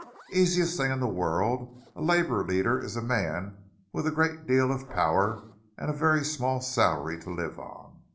"Easiest thing in the world. A labour leader is a man with a great deal of power, and a very small salary to live on.